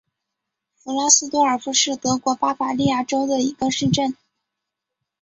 弗拉斯多尔夫是德国巴伐利亚州的一个市镇。